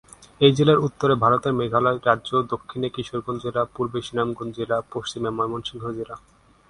এই জেলার উত্তরে ভারতের মেঘালয় রাজ্য, দক্ষিণে কিশোরগঞ্জ জেলা, পূর্বে সুনামগঞ্জ জেলা, পশ্চিমে ময়মনসিংহ জেলা।